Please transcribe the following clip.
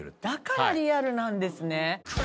だからリアルなんですね。